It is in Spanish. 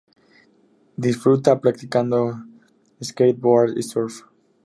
Disfruta practicando skateboard y surf.